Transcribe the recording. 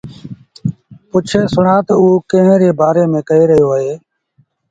پُڇي سُڻآ تا اوٚ ڪݩهݩ ري بآري ميݩ ڪهي رهيو اهي؟